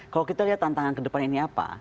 kalau kita lihat tantangan kedepan ini apa